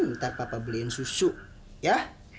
hmm entah papa beliin susu ya